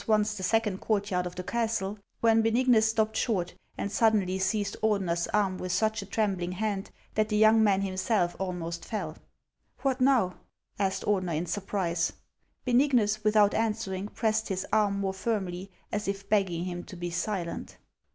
241 once the second courtyard of the castle, when Benignus stopped short, and suddenly seized Ordener's arm with such a trembling hand that the young man himself almost fell " What now ?" asked Ordener in surprise. Benignus, without answering, pressed his arm more firmly, as if begging him to be silent.